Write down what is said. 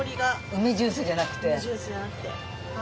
梅ジュースじゃなくて。